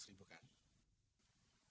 ya deh juga kan gitu dong